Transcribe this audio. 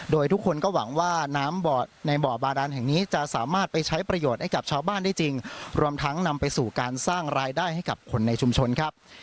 โดยทุกคนก็หวังว่าน้ำในบ่อบาดานแห่งนี้จะสามารถไปใช้ประโยชน์ให้กับชาวบ้านได้จริงรวมทั้งนำไปสู่การสร้างรายได้ให้กับคนในชุมชนครับ